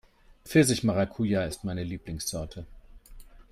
Pfirsich-Maracuja ist meine Lieblingssorte